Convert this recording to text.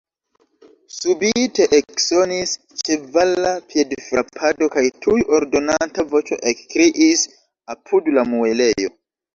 Subite eksonis ĉevala piedfrapado, kaj tuj ordonanta voĉo ekkriis apud la muelejo.